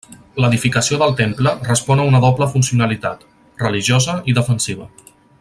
L'edificació del temple respon a una doble funcionalitat: religiosa i defensiva.